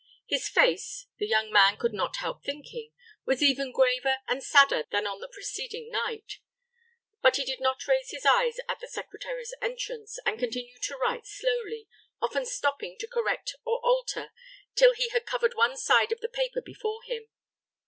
His face, the young man could not help thinking, was even graver and sadder than on the preceding night; but he did not raise his eyes at the secretary's entrance, and continued to write slowly, often stopping to correct or alter, till he had covered one side of the paper before him.